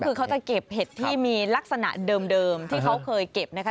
คือเขาจะเก็บเห็ดที่มีลักษณะเดิมที่เขาเคยเก็บนะคะ